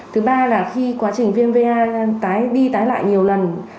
thứ ba là khi quá trình viêm va đi tái lại nhiều lần